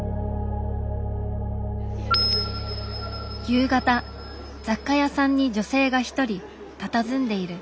夕方雑貨屋さんに女性が一人たたずんでいる。